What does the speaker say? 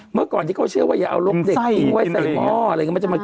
เมื่อก่อนที่เขาเชื่อว่าอย่าเอารกเด็กทิ้งไว้ใส่หม้ออะไรอย่างนี้